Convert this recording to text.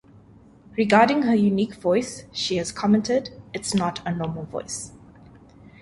Regarding her unique voice she has commented: It's not a normal voice.